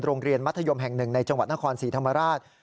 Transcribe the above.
มัธยมแห่งหนึ่งในจังหวัดนครศรีธรรมราช